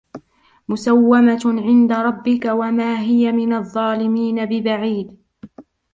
مسومة عند ربك وما هي من الظالمين ببعيد